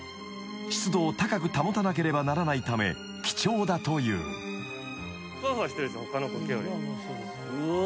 ［湿度を高く保たなければならないため貴重だという］うわ。